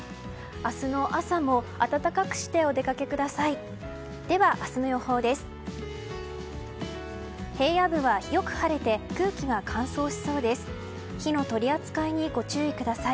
明日の朝も暖かくしてお出かけください。